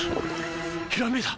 ひらめいた！